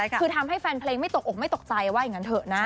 คือทำให้แฟนเพลงไม่ตกอกไม่ตกใจว่าอย่างนั้นเถอะนะ